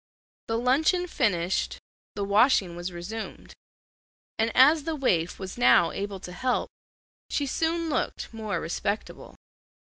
The luncheon finished, the washing was resumed, and as the waif was now able to help, she soon looked more respectable.